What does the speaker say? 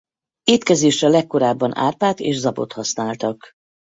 Étkezésre legkorábban árpát és zabot használtak.